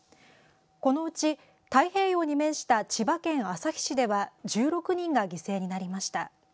このうち、太平洋に面した千葉県旭市では１６人が犠牲になりました。